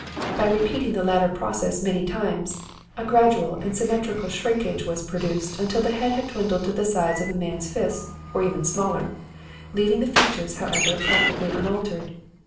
"By repeating the latter process many times, a gradual and symmetrical shrinkage was produced until the head had dwindled to the size of a man's fist or even smaller, leaving the features, however, practically unaltered.